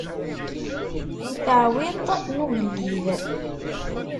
Taɛwiṭ n ugellid.